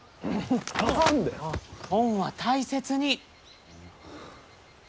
本は大切に！